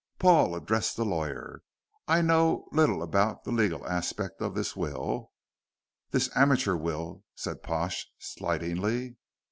Paul addressed the lawyer. "I know little about the legal aspect of this will" "This amateur will," said Pash, slightingly.